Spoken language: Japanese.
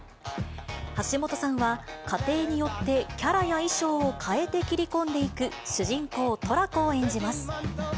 橋本さんは、家庭によってキャラや衣装を変えて切り込んでいく主人公、トラコを演じます。